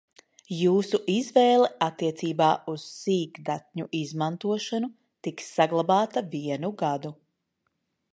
Jūsu izvēle attiecībā uz sīkdatņu izmantošanu tiks saglabāta vienu gadu.